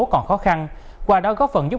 còn khó khăn qua đó góp phần giúp